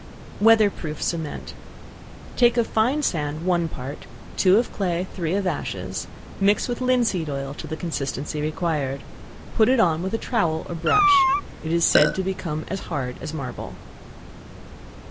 Weather Proof Cement. Take of fine sand one part, two of clay, three of ashes; mix with linseed oil to the consistency required. Put it on with a towel or brush. It is said to become as hard as marble.